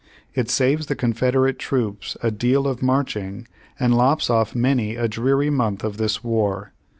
It saves the Confederate troops a deal of march ing, and lops off many a dreary month of this war.